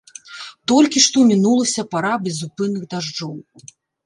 Толькі што мінулася пара безупынных дажджоў.